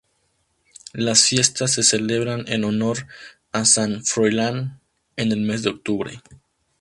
Las fiestas se celebran en honor a San Froilán, en el mes de octubre.